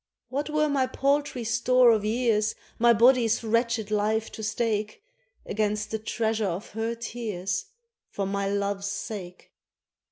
What were my paltry store of years, My body's wretched life to stake, Against the treasure of her tears, For my love's sake